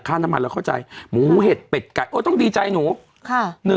น้ำมันเราเข้าใจหมูเห็ดเป็ดไก่ต้องดีใจหนูค่ะ